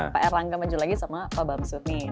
pak erlangga maju lagi sama pak bamsudni